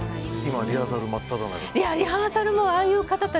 今、リハーサル真っただ中と。